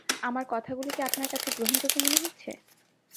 আমার কথাগুলি কি আপনার কাছে গ্রহণযোগ্য মনে হচ্ছে?